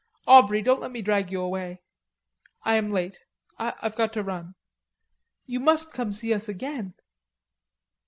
Aubrey, don't let me drag you away. I am late, I've got to run." "You must come to see us again."